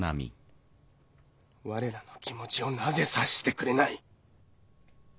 我らの気持ちをなぜ察してくれない？